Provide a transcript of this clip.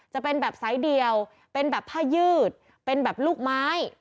จะเป็นแบบไซส์เดียวเป็นแบบผ้ายืดเป็นแบบลูกไม้